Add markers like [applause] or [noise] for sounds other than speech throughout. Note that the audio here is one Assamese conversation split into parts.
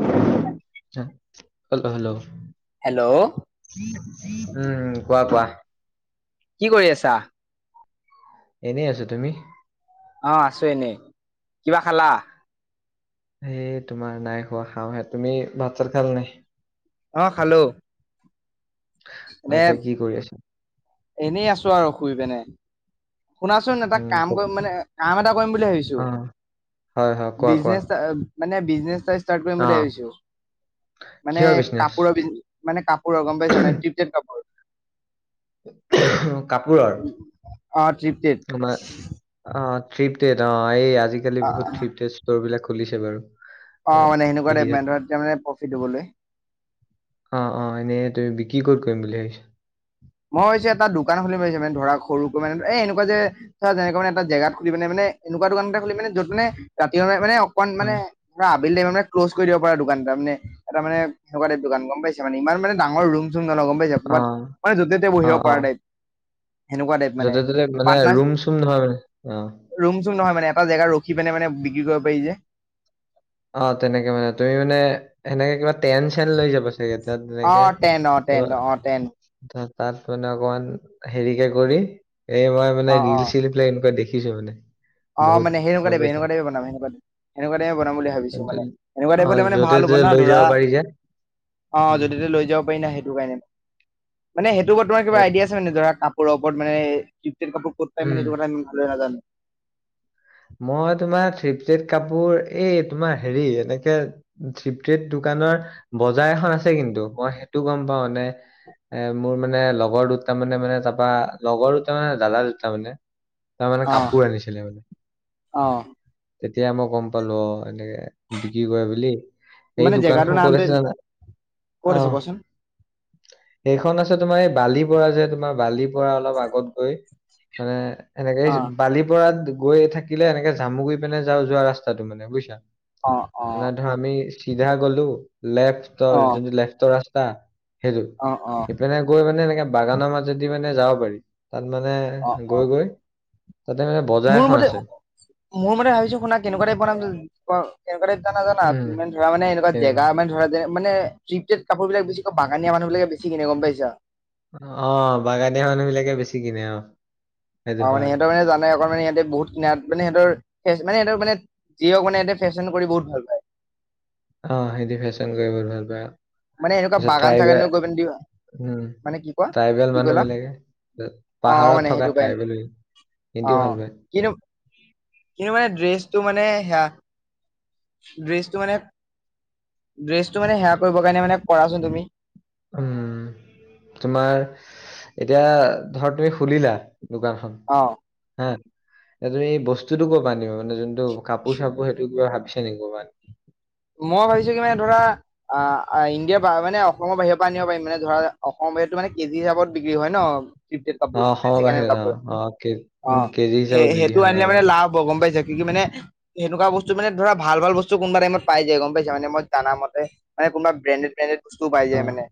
হেল্ল' হেল্ল' হেল্ল' উম কোৱা কোৱা। কি কৰি আছা? এনেই আছো। তুমি? অ আছো এনেই। কিবা খালা? এই তোমাৰ নাই খোৱা খাওঁহে। তুমি ভাত-চাত খালা নাই? অ খালো। অ এনে এতিয়া কি কৰি আছা? এনেই আছো আৰু শুই পেনে। শুনাচোন এটা উম ক কাম কৰিম মানে কাম এটা কৰিম বুলি ভাবিছো। অ হয় হয় কোৱা কোৱা। বিজনেছ মানে বিজনেচ এটা ষ্টাৰ্ট কৰিম অ বুলি ভাবিছো, মানে কিহৰ বিজনেচ কাপোৰৰ বিজ মানে কাপ পোৰৰ গম পাইছা মানে থ্ৰিপটেড কাপোৰ। কাপোৰৰ। অ ত্ৰিপটেড। আমাৰ আহ থ্ৰিপটেড অ এই আজিকালি অ বহুত থ্ৰিপটেদ ষ্ট'ৰবিলাক খুলিছে বাৰু। অ এ, মানে সেনেকুৱা দেখি টাইপ মানে থাকো। তোমাৰ তেতিয়া মানে প্ৰফিট হবলৈ। অ অ। এনেই তুমি বিক্ৰী ক'ত কৰিম বুলি ভাবিছা? [inaudible] মই ভাবিছো এটা দোকান খুলি ভাবিছো মানে ধৰা সৰুকৈ মানে এনেকুৱা যে ধৰা যেনেকুৱা মানে এটা জেগাত খুলি পেলাই মানে এনেকুৱা দোকান এটা খুলিম মানে য'ত মানে ৰাতি হলে মানে অকমান অ মানে ধৰা আবেলি টাইমত মানে ক্ল'জ কৰি দিব পৰা দোকান এটা মানে এটা মানে সেনেকুৱা টাইপ দোকান গম পাইছে মানে ইমানানে ডাঙৰ ৰুম [unintelligible] গম পাইছা অ কবাত মানে য'তে ত'তে অ বহিব অ পৰা টাইপ সেনেকুৱা টাইপ মানে য'তে ত'তে মানে পাটনাৰ ৰুম চুম নহয় মানে অ ৰুম-চোম নহয় মানে এটা জেগাত ৰখি পেনে মানে বিক্ৰী কৰিব পাৰি যে। অ', তেনেকে মানে, তুমি মানে এনেকে কিবা টেন চেন লৈ যাব চাগে তাত অ তেনেকে টেন অ তো টেন অ টেন তাত মানে অকমান, হেৰি কে কৰি, এই মই মানে অ অ ৰিল চিল বিলাক এনেকুৱা দেখ দেখিছো মানে। অ' বহুত মানে গম সেনেকুৱাটাইপে, পাইছা সেনেকুৱা টাইপে বনাম সেনেকুৱা সেনেকুৱা টাইপে বনাম নাম বুলি ভাবিছো মানে। এনেকুৱা অ টাইপ হ'লে মানে য'তে ভাল হ'ব ত'তে না লৈ ধৰা যাব পাৰি যে অ', উম যদি ত'তে লৈ যাব পাৰি না সেইটো কাৰণে। মানে সেই তোৰ ওপৰত তোমাৰ কিবা হয় আইডিয়া আছে নে নাই? ধৰা কাপোৰৰ ওপৰত, মানে থ্ৰীফ্টেদ কাপোৰ ক'ত পাই উম মানে এইটো কথা ইমান ভালদৰে নাজানো। মই তোমাৰ থ্ৰীফ্টেড কাপোৰ, এই তোমাৰ হেৰি, এনেকে থ্ৰীফ্টেড দোকান ৰ বজাৰ এখন আছে কিন্তু মই সেইটো গম পাওঁ এনে এ মোৰ মানে লগৰ দুটামানে মানে তাৰপৰা, লগৰ দুটা মানে দালাল দুটা মানে তাৰ মানে অ কাপোৰ আনিছিলে মানে। অ'। তেতিয়া মই গম পালো। অ' এনেকে বিক্ৰী কৰে বুলি। এই মানে দোকানখন জেগাটোৰ ক'ত নামটো আছে জানা? ক'ত আছে কচোন সেইখন আছে তোমাৰ এই বালি পৰা যে তোমাৰ বালিপৰা অলপ আগত গৈ, মানে এনেকে অ বালিপৰা গৈ থাকিলে এনেকে জামুগুৰি পিনে যোৱা ৰাস্তাটো মানে বুজিছা? অ অ মানে ধৰ আমি চিধা গ'লো, লেফ্টৰ অ যোনটো লেফ্টৰ ৰাস্তা সেইটো। অ অ ইপিনে গৈ মানে এনেকে বাগানৰ মাজেদি মানে যাব পাৰি। তাত মানে অ অ গৈ গৈ, তাতে মানে বজাৰ মোৰ এখন মতে আছে। মোৰ মানে ভাবিছো শুনা কেনেকুৱা টাইপ বনাম, ব কেনেকুৱা টাইপ জানা জানা উম ইমান ধৰা মানে এনেকুৱা তেনেকুৱা জেগামান ধৰে যে মানে থ্ৰীফ্টেড কাপোৰ বিলাক বেছিকে বাগানীয়া মানুহ বিলাকে বেছি কিনে গম পাইছা? অ' বাগানীয়া মানুহবিলাকে বেছি কিনে অ'। সেইটো অ' মানে হয়। সিহঁতৰ মানে জানে অকমানে ইহঁতে বহুত কিনাত, মানে সিহঁতৰ মানে ফেচ মানে সিহঁতৰ মানে যিহওঁক মানে ইহঁতে ফেশ্বন কৰি বহুত ভাল পায়। অ', সিহঁতি ফেশ্বন কৰি বহুত ভাল পায়। মানে এনেকুৱা তাৰপিছত বাগান চাগান ট্ৰাইবেল, গৈ পিনে দিবা উম মানে কি কোৱা ট্ৰাইবেল কি মানুহ ক'লা বিলাকে অ মানে পাহাৰত সেইটো থকা কাৰণে ট্ৰাইবেল সিহঁতিও অ', ভাল পায়। কিন্তু কিন্তু মানে ড্ৰেছটো মানে সেয়া ড্ৰেচটো মানে ড্ৰেচটো মানে সেয়া কৰিব কাৰণে মানে কৰাচোন তুমি। উম, তোমাৰ এতিয়া ধৰ তুমি খুলিলা দোকানখন অ হা! এ তুমি বস্তুটো কৰপা আনিবা? মানে যোনটো কাপোৰ চাপোৰ সেইটো কিবা ভাবিছা নেকি কৰপা? মই ভাবিছো কি মানে ধৰা, আহ ইণ্ডিয়াৰ বা মানে অসমৰ বাহিৰৰ পৰা আনিব পাৰিম। মানে ধৰা অসম এইটো মানে কেজি হিচাপত বিক্ৰী হয় ন! থ্ৰীফ্টেড কাপোৰ অ', মানে অসমৰ ছেকেণ্ড হেণ্ড বাহিৰত কাপোৰ, অ', অ', কে উম, অ' কেজি সেই হিচাপত বিক্ৰী সেইটো হয় অ', আনিলে মানে লাভ হয় গম পাইছা? কিন্তু মানে সেনেকুৱা বস্তু মানে ধৰা ভাল ভাল বস্তু কোনোবা টাইমত পাই যায় গম পাইছা মানে মই জানামতে, মানে কোনোবা ব্ৰেণ্ডেডেত ব্ৰেণ্ডেডেত বস্তুও পাই যায় অ', মানে।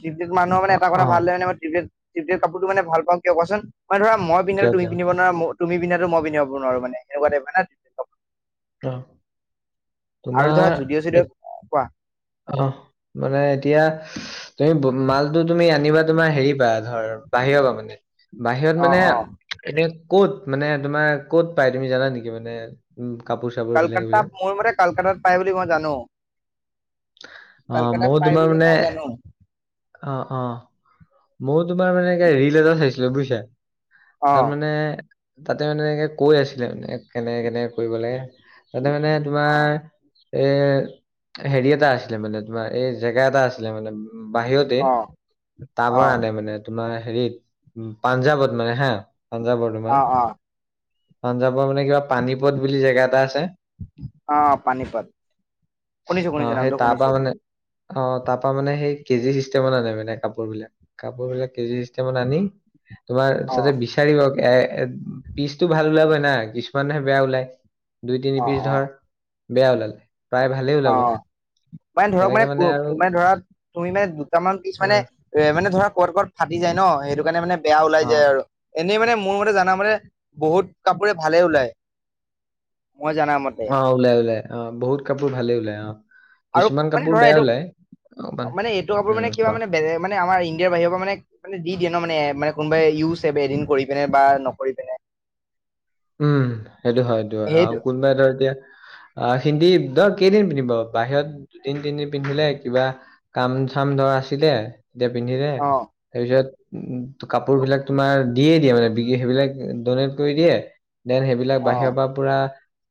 থ্ৰীফ্টেড মানুহ মানে অ', এটা কথা ভাল অ', যে থ্ৰীফ্টেড থ্ৰীফ্টেড কাপোৰটো মানে ভাল পাওঁ কিয় কোৱাচোন? মানে ধৰা মই কিয় পিন্ধাটো তুমি কিয়? পিন্ধিব নোৱাৰা, ম তুমি পিন্ধাটো মই পিন্ধিব নোৱাৰো মানে। এনেকুৱা টাইপ মানে অ'। আৰু ধৰা জুদিঅ' তোমাৰ চুদিঅ', কোৱা। অহ মানে এতিয়া তুমি মালটো তুমি আনিবা তোমাৰ হেৰিপা ধৰ বাহিৰৰ পৰা মানে। বাহিৰত অ মানে অ এনে ক'ত মানে তোমাৰ কত পাই তুমি জানা নেকি মানে উ? কালকাতা, মই মানে কালকাতাত পাই বুলি মই জানো। অ', মইও তোমাৰ মানে, অ' অ'। মই তোমাৰ মানে ৰিল এটা চাইছিলো বুজিছা। অ তাৰ মানে তাতে মানে এনেকে কৈ আছিলে মানে কেনেকে-কেনেকে কৰিব লাগে। তাতে মানে অ তোমাৰ এ হেৰিয় টা আছিলে মানে তোমাৰ এই জেগা এটা আছিলে মানে বাহিৰতে অ অ টাবৰ আনে মানে তোমাৰ হেৰিত পাঞ্জাৱত মানে হা পাঞ্জাৱৰ তোমাৰ অ অ পাঞ্জাৱৰ মানে কিবা পানীপথ বুলি জেগা এটা আছে আহ পানীপত শুনিছো অ শুনিছো সেই নামটো তাৰপা শুনিছো মানে অ তাৰ পৰাা মানে সেই কেজি চিষ্টেমত আ নাই মানে কাপোৰ বিলাক কাপোৰ বিলাক কেজিষ্ট মান আনি তোমাৰ অ তাতে বিচাৰিব এ এ পিচতটো ভাল ওলাবই না কিছুমানহে বেয়া ওলায় দুই তিনি অ পিচ অ ধৰ বেয়া ওলালে প্ৰায় ভালেই ওলাব অ মানে ধৰক তেনেকে মানে আৰু মানে ধৰা তুমি মানে দুটামান পিছ মানে উম এ মানে ধৰা ক'ত ক'ত ফাটি যায় ন সেইটো কাৰণে মানে বেয়া ওলাই অ যায় আৰু এনেই মানে মোৰ মতে জানা মানে বহুত কাপোৰে ভালে ওলায় অ ওলাই ওলাই আহ বহুত কাপোৰ ভালে ওলাই আহ আৰু কিছুমান মানে কাপোৰ ধৰা বেয়া এইটো ওলাই অকমান মানে এইটো কাপোৰ উম মানে কিবা কোৱা মানে বেলে মানে আমাৰ ইডিয়াৰ বাহিৰৰ পৰা মানেে দিয়ে ন মানে মানে কোনোবাই ইউজ এদিন কৰি পিনে বা নকৰি পিনে উম সেইটো হয় সটো হয় আৰু সেইটো কোনোবাই ধ এতিয়া অ হিন্দী দ কেইদিন পিন্ধিব বাহিৰত দুদিন তিনদিন পিন্ধিলে কিবা কাম ধ আছিলে তেতিয়া পিন্ধিলে অ তাৰপিছত উ কাপোৰ বিিলাক তোমাৰ দিয়ে দিয়ে মানে বি সেইবিলাক ডনেট কৰি দিয়ে দেন সেইবিলাক অ বাহিৰৰ পৰা পুৰা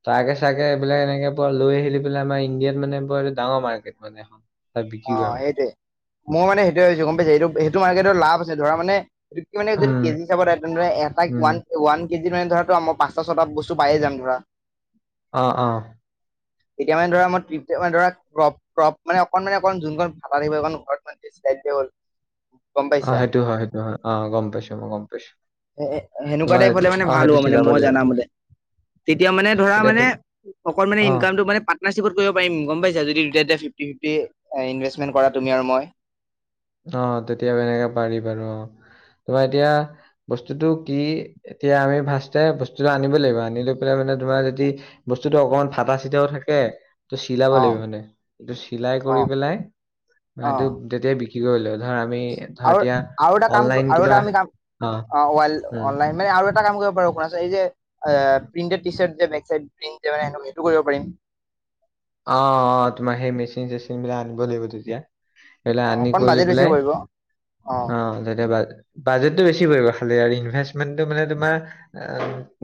তাকে চাকে এইবিলাক এনেকে প লৈ আহিলি পেলাই আমাৰ ইণ্ডিয়াত মানে বটো ডাঙৰ মাৰ্কেট মানে এখন তাত বিক্ৰী অ কৰে মানে। সেইটয়ে মোৰ মানে সেইটোয়েছো গম পাইছে এইটো সেইটো মাৰ্কেটত লাভ আছে ধৰা মানে কি মানে যদি উম, কেজিচত তেনেহ এ উম। ৱান ওৱান কেজিন মানে ধৰাটো আমাৰ পাঁচটা ছটা বস্তু পায়য়ে যাম ধৰা অ অ এতিয়া মানে ধৰা মপ মানে ধৰা্ৰপ্ৰপ মানে অকণ মানে অকণ যোনখনণ ভাল লাগিব অণ ঘৰত ম হ'ল গম অ পাইছা সেইটো হয় সেইটো হয় অ গম পাইছো মই গম পাইছো সেনেকুৱা টাইপ হলে মানে ভাল হব মানে মই লাগিব। জানা বোলে তেতিয়া মানে ধৰা এতিয়া মানে তুম অক মে অ'। ইনকাম মান পাৰ্টাৰশ্বপত কৰিব পাৰিম গম পাইছ য দু ইনভেষ্টমেন্ট কৰা তুমি আৰু মই অ', তেতিয়া এনেকে পাৰি বাৰু অ'। তোমাৰ এতিয়া বস্তুতটো কি এতিয়া আমি ফাৰে বস্তুটো আনিব লাগিব আনি লৈ পেলাই মানে তোমাৰ যদি বস্তুটো অকমান ফাটা চিটাাও থাকে ত চিলাব অ লাগিব মানে এইটো চিলাই অ কৰি পেলাই অ মটো তেতিয়াাই বিক্ৰী কৰিলে ধৰ আমি ধৰ আৰু এতিয়া আটাা কাম অনলাইন আটাা কিবা আমি কাম অ উম। অনলন মানে আৰু এটা কাম কৰিব পাৰোপোন এই যে প্ৰিন্টেড টি চাৰ সেইটো কৰিব পাৰিম অ তোমাৰ সেই মেচিন চেচিন মিবলেিবতিয়া এইবা অ আনি অকণ কৰি লৈ বাজেট বেছি পেলাই পৰিব অ অ তেতিয়া বাজেটটো বেছি পৰি খালি আৰু ইনভেষ্টমেণ্টটো মানে তোমাৰ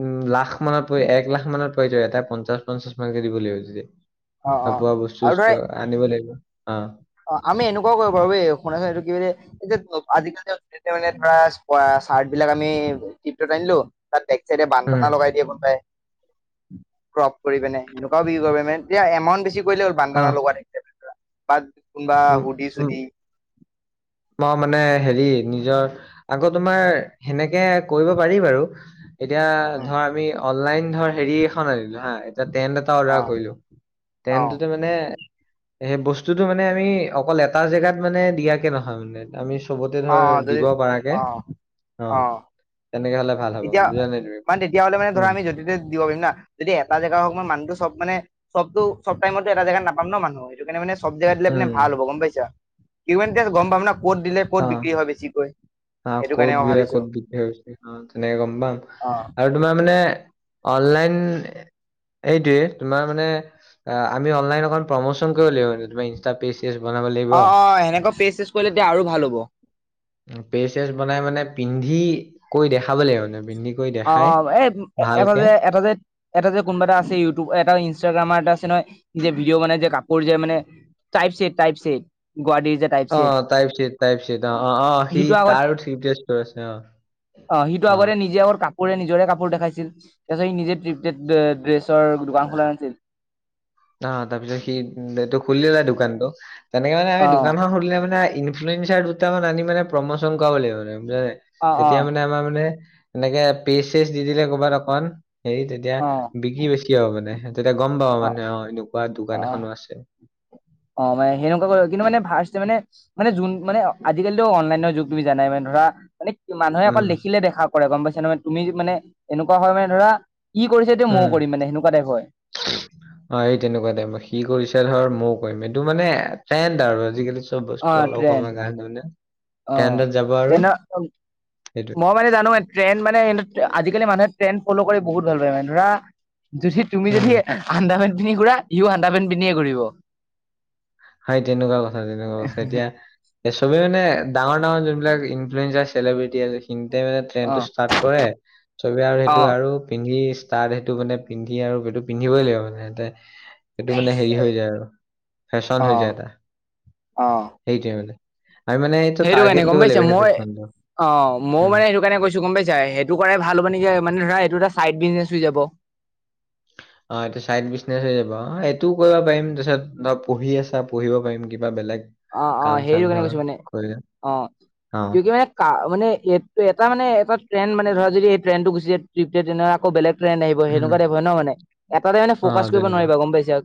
উম লাখ মানত এক লাখ মানত প যাব এটা পঞ্চাশ পঞ্চাশ মানকে দিব লাগিব যয়া হ অ বোৱা বস্তু আৰু ধৰা আনিব লাগিব অ অ আমি এনেকুৱাও কৰিব পাৰো ব শুনাছু এইটো কি বুলি এতিয়া আজিকালি য়া মানে ধৰা চাৰ্ট বিলাক আমি টিপটত আনিলো তাত চ উম বানদনা লগাই দিয়ে গোন পায় ক্ৰপ কৰি পিনে এনেুৱাও বিক্ৰী কৰিব মানে এমাউণ্ট বেছি কৰিলে হ'ল বানদানৰ লগোৱা থাকৰা পাত উ উ ম মানে হেৰি নিজৰ আকৌ তোমাৰ সেনেকে কৰিব পাৰি বাৰু এতিয়া উম ধৰ আমি অনলাইন ধৰ হেৰি এখন আনিলো অ অ [unintelligible] আমি অকল এটা জেগাত মানে দিয়াকে নহয় মানে আমি চবতে অ অ ধৰ যদি দিব পৰাাৰকে অ অ তেনেকে হ'লে ভাল হ'ব তেতিয়া বুজা নাই তুমি মানে তেতিয়া হ'লে মানে ধৰা উম আমি যদি দিব পাৰিম ন যদি এটা জেগা হওক মই মানুহটো চব মানে চবতো চব টাইমতটো এটা জাগাত নাপাম ন মানুহ সেইটো কাৰণোনেব জেগাত দিলে মানে ভ উম হব গম পাইছা কি গম পাম ন ক'ত দিলে ক'ত বিক্ৰী হয় বেছিকৈ আহ সেইটো কাৰণে ক'ত মই গিললে ভাবিছো ক'ত বিধছে তেনেকে গম পাম অ আৰু তোমাৰ মানে অনলাইন এইটোয়ে তোমাৰ মানে আমি অনলাইন অক প্ৰমোচন কৰিব লাগিবাৰ অ অ সেনেকা ফেচ চেচ কৰিলে এতিয়া আৰু ভাল হ'ব পেজ বনাই মানে পিন্ধি কৰি দেখাব লাগিব মানে পিন্ধি কৈ অ দেখাই অ এ এটা ভালকে যে এটা যে এটা যে কোনোবা এটা আছে ইউটিউব এটা ইট্ৰৰগ্ৰামাৰ এটা আছে নহয় যে ভিডিঅ' বনাই যে কাপোৰ যে মানে টাইপ চছেট টাইপ ছেট অ টাইপছেট টাইপ চট অ অ অ সি সিটো আগত তাৰো ঠিকষ্ট আছে অ সিটো আগতে নিজে আগ কাপোৰে নিজৰে কাপোৰ দেখাইছিল তাৰিছত সি নিজে ড্ৰেছ ন তাৰপিছত সি এইটো খুলিলে দোকানতটো তেনেকে মানে আম অ দানখন সধিলোনে ইনফ্লুৱেঞ্চছাৰ দুটামান আনি মানে প্ৰমোচন কৰা কৰিব লাগিব মানে অ অ তেতিয়া মানে আমাৰ মানে এনেকে পেচ চেচ দি দিলে কৰ'বাত অকমান হেৰি তেতিয়া অ বিকি বেছি হ মানে তেতিয়া গম পা মানে অ এনেকুৱা অ দোকান এখনো আছে অ মানে সেনেকুৱা কৰে কিন্তু মানে ফাৰ্ষ্ট মানে মানে যোন মানে আজিকালি অনলাইনৰ যুগ তুমি জানাই মানে ধৰা মানে কি মানুহে অকল উম দেখিলে দেখা কৰে গম পাইছা ন মানে তুমি মানে এনেকুৱা হয় মানে ধৰা ই কৰিছে এ ময়ও উম কৰিম মানে সেনেকুৱা টাইপৰ হয় অ এই তেনেকুৱাটাইপৰ সি কৰিছে ধৰ ময় কৰিম এইটো মানে ট্ৰেণ্ড আৰু আজিকালি অ ট্ৰেণ্ড [unintelligible] অ ট্ৰেণ্ডত যাব আৰু তেনে সেইটো মই মানে জানো এ ট্ৰেণ্ড মানে আজিকালি মানুহে টেন ফল' কৰি বহুত ভাল পায় মানে ধৰা যদি তুমি উম যদি আন্দ পন্ধি খুৰা সিও হান্দা পেনট পিন্ধিয়ে ঘ হয়াই তেনেকুৱা কথা তেনেকুৱা কথা এতিয়া এই চবে মানে ডাঙৰ ডাঙৰ যোনবিলাক ইনফ্লুৱেন্ঞ্চাৰ চেলিব্ৰিটি মানে ট্ৰেন টো ষ্টাৰ্ট কৰে চবে আৰু সেইটো অ', আৰু পিন্ধি তাত সেইটো মানে পিন্ধি আৰু সেইটো পিন্ধিবই লাগিব মানে ততে সেইটো মানে হেৰি হৈ যায় আৰু ফেশ্বন হৈ অ', যায় এটা সেইটোোৱে মে হেইৰু কাৰানে গম পাইছ মই অ ময়ও উম মানে সেইটো কাৰণে কৈছো গম পাইছা সেইটো কৰাই ভাল হ মানেক যে মানে ধৰা টো এটা চাইড বিজনেছ হৈ যাব অ এটো চাইড বিজনেছ হৈ যাব অ এইটোও কৰিব পাৰিম তাৰিছত পঢ়ি আছা পঢ়িব পাৰিম কিবা বেলেগ অ অ কাম চাম সেইটো কেনে ধৰ কৈছো মানে কৰিলে অ অ কি কি মানে কা মানে এটা মানে এটা ট্ৰেণ্ড মানে ধৰা যদি এই ট্ৰনটো গুিছে্ৰপ তেনেক বেলেগ ট্ৰেড আহিব উম সেনেকুৱা টাই হয় ন মান এটাটাই মানে অ ফকা কৰিব তেনেকুৱা নোৱাৰিবা গম পাইছা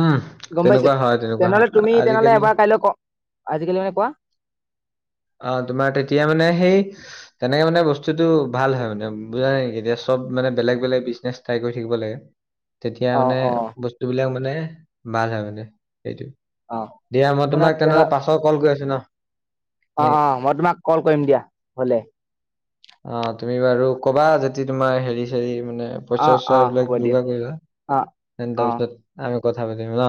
উম গম পাইছে তেনেকুৱা হয় তেনেকুৱা হয় তেনেহ'লে আ- তুমি তেনেহ'লে আজিকালি এবাৰ কাইলৈ ক আজিকালি মানে কোৱা অ তোমাৰ তেতিয়া মানে সেই তেনেকে মানে বস্তুতটো ভাল হয় মানে বুজা নেকি এতিয়া মানে বেলেগ বেলেগ বিজনেছ ট্ৰাই কৰি থাকিব লাগে তেতিয়া অ' মানে অ' বস্তুবিলাক মানে ভাল হয় মানে সেইটো অ' দিয়া মই শুনা তোমাক তেনে তেনেহলে পাছৰ কল কৰি আছো ন অ নে অ মই তোমাক কল কৰিম দিয়া হলে অ তুমি বাৰু ক'বা যতিদি তোমাৰ হেৰি চেৰি মানে পইচা অ' চচা অ' বিলাক হ'ব দিয়া যোগাৰ কৰিবা অ' তাৰ অ' পিছত আমি কথা পাতিম ন